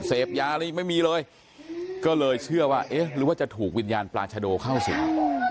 เสพยาอะไรยังไม่มีเลยก็เลยเชื่อว่าเอ๊ะหรือว่าจะถูกวิญญาณปราชโดเข้าสิง